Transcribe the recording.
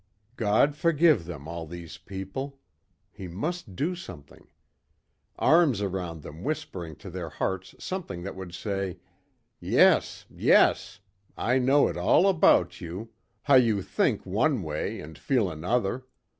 God forgive them, all these people. He must do something. Arms around them whispering to their hearts something that would say, "Yes, yes. I know it all about you. How you think one way and feel another.